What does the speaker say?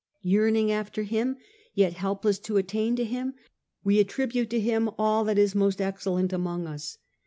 Yearning after Him, yet helpless to attain to Him, we attribute to Him all that is most excellent among us.